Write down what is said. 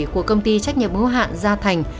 của công ty trách nhiệm mô hạn gia thành